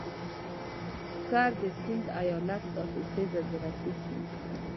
سکر د سيند ايالت حاصلخېزه زراعتي سيمه ده.